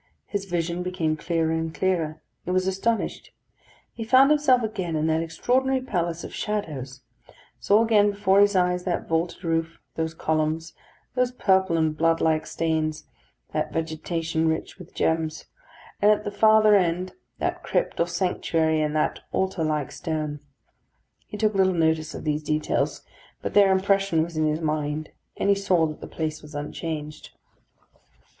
His vision became clearer and clearer. He was astonished. He found himself again in that extraordinary palace of shadows; saw again before his eyes that vaulted roof, those columns, those purple and blood like stains, that vegetation rich with gems, and at the farther end, that crypt or sanctuary, and that altar like stone. He took little notice of these details, but their impression was in his mind, and he saw that the place was unchanged.